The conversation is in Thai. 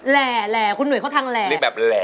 แหล่คุณหน่วยเขาทางแหล่